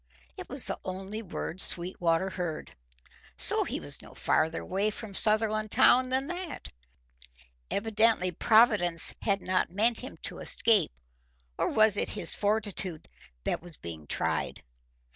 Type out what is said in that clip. It was the only word Sweetwater heard. So, he was no farther away from Sutherlandtown than that. Evidently Providence had not meant him to escape. Or was it his fortitude that was being tried?